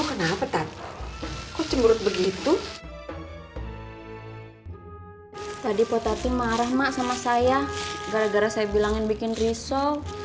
lu kenapa tak kecembur begitu tadi potati marah maksum saya gara gara saya bilangin bikin riso